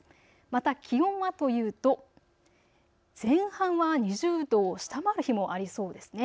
また気温はというと前半は２０度を下回る日もありそうですね。